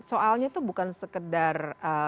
soalnya itu bukan sekedar